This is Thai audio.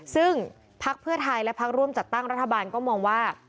ซึ่งพักเพื่อไทยและพักร่วมจัดตั้งรัฐบาลก็มองว่า